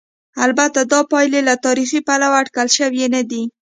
البته دا پایلې له تاریخي پلوه اټکل شوې نه دي.